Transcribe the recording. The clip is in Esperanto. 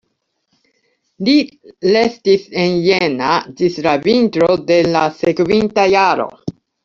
Li restis en Jena ĝis la vintro de la sekvinta jaro.